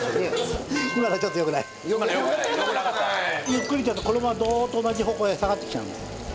ゆっくりいっちゃうと衣がドーンと同じ方向へ下がってきちゃうんです。